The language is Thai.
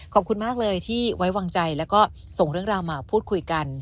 ขอบคุณมากเลยที่ไว้วางใจแล้วก็ส่งเรื่องราวมาพูดคุยกัน